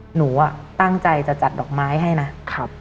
หนูอะตั้งใจจะจัดดอกไม้ให้นะ